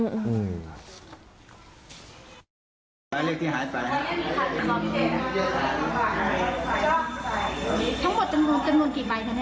ทั้งหมดจะรวมกี่ใบครับเนี่ย